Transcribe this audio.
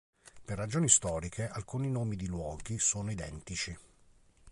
Per ragioni storiche, alcuni nomi di luoghi sono identici.